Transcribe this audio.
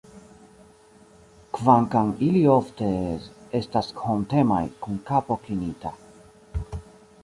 Kvankam ili ofte estas hontemaj, kun kapo klinita.